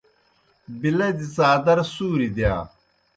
بِلَدیْ څادر سُوریْ دِیا۔